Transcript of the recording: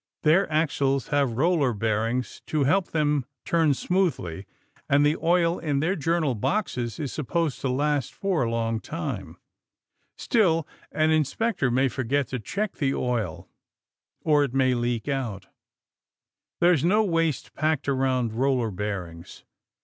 Their axles have roller bearings to help them turn smoothly, and the oil in their journal boxes is supposed to last for a long time. Still, an inspector may forget to check the oil, or it may leak out. There's no waste packed around roller bearings.